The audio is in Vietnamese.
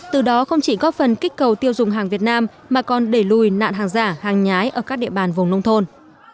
từ đó không chỉ góp phần kích cầu tiêu dùng hàng việt nam mà còn đẩy lùi nạn hàng giả hàng nhái ở các địa bàn vùng nông thôn